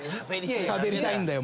しゃべりたいんだよ。